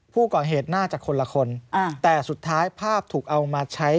ผู้ก่อเหตุน่าจะคนละคนแต่สุดท้ายภาพถูกเอามาใช้